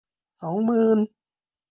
สองหมื่น